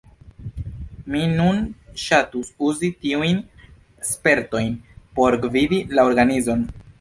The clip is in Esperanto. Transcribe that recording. Mi nun ŝatus uzi tiujn spertojn por gvidi la organizon.